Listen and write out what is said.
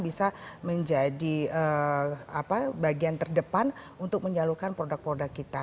bisa menjadi bagian terdepan untuk menyalurkan produk produk kita